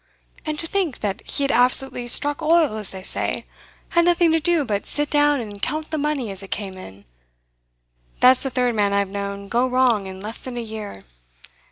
And to think that he had absolutely struck oil, as they say; had nothing to do but sit down and count the money as it came in! That's the third man I've known go wrong in less than a year.